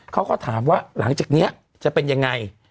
เขาก็ถามว่าหลังจากนี้จะเป็นยังไง